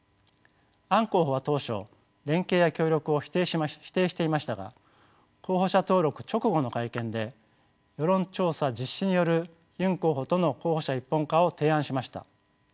アン候補は当初連携や協力を否定していましたが候補者登録直後の会見で世論調査実施によるユン候補との候補者一本化を提案しました。